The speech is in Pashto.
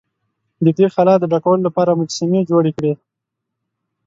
د دې خلا د ډکولو لپاره مجسمې جوړې کړې.